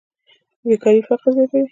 بېکاري فقر زیاتوي.